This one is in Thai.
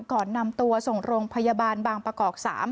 ก่อนนำตัวส่งโรงพยาบาลบางประกอบ๓